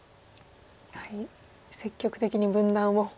やはり積極的に分断を。